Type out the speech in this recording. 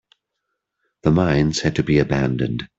The mines had to be abandoned.